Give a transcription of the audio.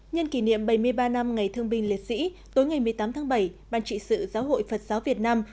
nhân kỷ niệm bảy mươi ba năm ngày thương binh liệt sĩ tối ngày một mươi tám tháng bảy ban trị sự giáo hội phật giáo việt nam